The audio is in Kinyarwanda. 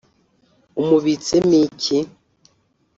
umubitsemo iki